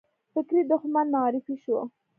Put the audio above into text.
فکري دښمن معرفي شو